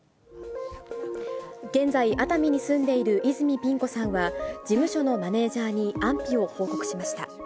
現在、熱海に住んでいる泉ピン子さんは、事務所のマネージャーに安否を報告しました。